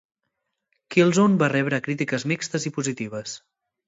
"Killzone" va rebre crítiques mixtes i positives.